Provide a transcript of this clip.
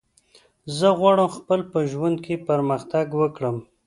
زه غواړم خپل په ژوند کی پرمختګ وکړم